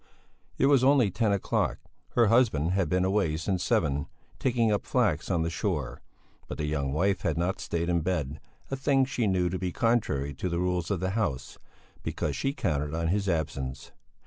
It was only ten o'clock. Her husband had been away since seven, taking up flax on the shore. But the young wife had not stayed in bed a thing she knew to be contrary to the rules of the house because she counted on his absence.